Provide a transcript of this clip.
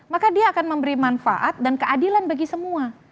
maka dia akan memberi manfaat dan keadilan bagi semua